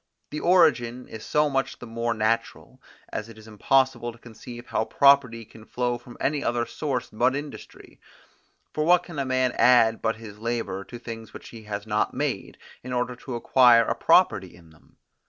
This origin is so much the more natural, as it is impossible to conceive how property can flow from any other source but industry; for what can a man add but his labour to things which he has not made, in order to acquire a property in them?